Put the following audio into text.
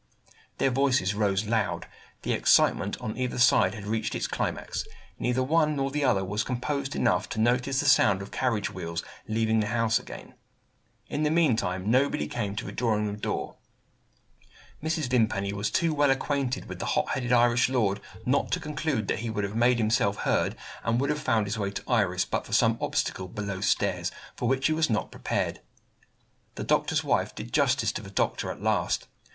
Their voices rose loud; the excitement on either side had reached its climax; neither the one nor the other was composed enough to notice the sound of the carriage wheels, leaving the house again. In the meanwhile, nobody came to the drawing room door. Mrs. Vimpany was too well acquainted with the hot headed Irish lord not to conclude that he would have made himself heard, and would have found his way to Iris, but for some obstacle, below stairs, for which he was not prepared. The doctor's wife did justice to the doctor at last.